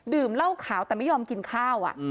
เหล้าขาวแต่ไม่ยอมกินข้าว